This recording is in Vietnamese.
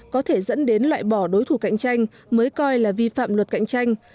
có thể dẫn đến loại bỏ đối thủ cạnh tranh mới coi là vi phạm luật cạnh tranh